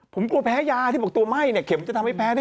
ผมกลัวแพ้แล้วพยาบาปนะที่บอกว่าตัวไหม้เผ็ดเผ็ดขยีมจะทำให้มันแพ้ได้อย่างไร